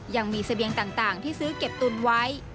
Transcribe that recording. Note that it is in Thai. ยังมีเสบียงต่างที่ซื้อเก็บตุนไว้